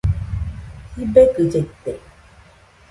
Sibegɨ llaite